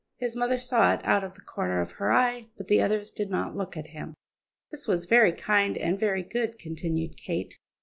His mother saw it out of the corner of her eye, but the others did not look at him. "This was very kind and very good," continued Kate.